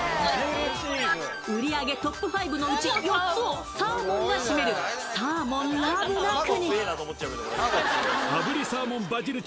売り上げトップ５のうち４つをサーモンが占めるサーモンラブな国。